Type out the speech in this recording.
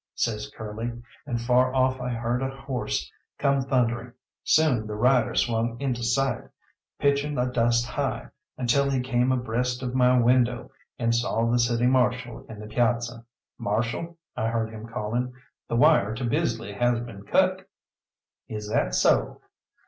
says Curly, and far off I heard a horse come thundering. Soon the rider swung into sight, pitching the dust high, until he came abreast of my window, and saw the City Marshal in the piazza. "Marshal," I heard him calling, "the wire to Bisley has been cut." "Is that so?"